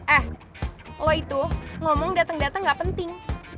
eh lo itu ngomong dateng dateng nggak penting